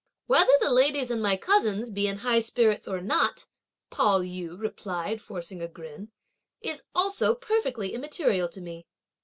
"Whether the ladies and my cousins be in high spirits or not," Pao yü replied forcing a grin, "is also perfectly immaterial to me."